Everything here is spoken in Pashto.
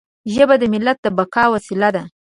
ژبه د ملت د بقا وسیله ده.